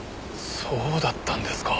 そうだったんですか。